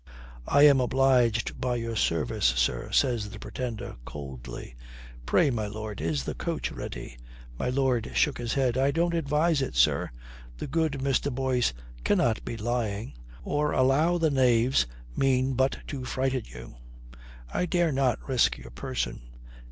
"I am obliged by your service, sir," says the Pretender coldly. "Pray, my lord, is the coach ready?" My lord shook his head. "I don't advise it, sir. The good Mr. Boyce cannot be lying. Or allow the knaves mean but to frighten you. I dare not risk your person."